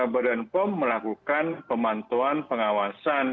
badan pom melakukan pemantauan pengawasan